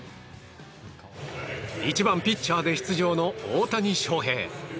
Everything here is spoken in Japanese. １番、ピッチャーで出場の大谷翔平。